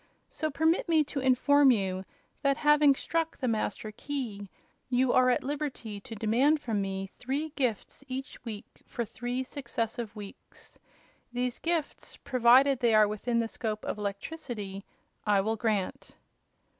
So permit me to inform you that, having struck the Master Key, you are at liberty to demand from me three gifts each week for three successive weeks. These gifts, provided they are within the scope of electricity, I will grant."